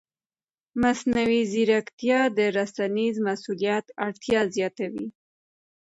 مصنوعي ځیرکتیا د رسنیز مسؤلیت اړتیا زیاتوي.